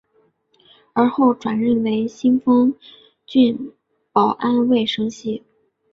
而后转任为新丰郡保安卫生系。